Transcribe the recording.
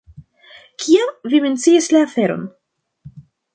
Kiam vi mencias la aferon.